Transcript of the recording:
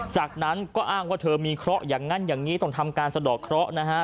จากนั้นก็อ้างว่าเธอมีเคราะห์อย่างนั้นอย่างนี้ต้องทำการสะดอกเคราะห์นะฮะ